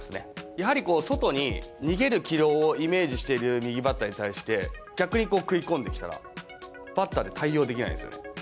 やはり外に、逃げる軌道をイメージしている右バッターに対して、逆に食い込んできたら、バッターって対応できないんですよね。